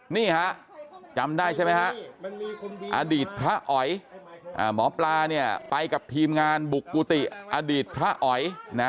นี่ฮะจำได้ใช่ไหมฮะอดีตพระอ๋อยหมอปลาเนี่ยไปกับทีมงานบุกกุฏิอดีตพระอ๋อยนะ